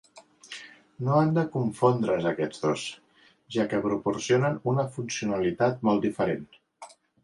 No han de confondre's aquests dos, ja que proporcionen una funcionalitat molt diferent.